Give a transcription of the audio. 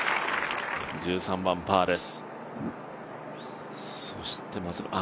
１３番パーです。